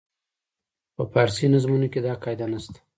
په فارسي نظمونو کې دا قاعده نه شته.